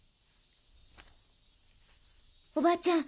おばあちゃん